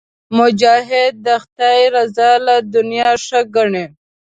مجاهد د خدای رضا له دنیا ښه ګڼي.